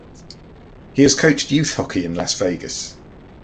He has coached youth hockey in Las Vegas.